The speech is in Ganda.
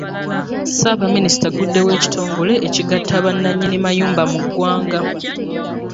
Ssaabaminisita agudewo ekitongole ekigata bananyini mayumba mu ggwanga.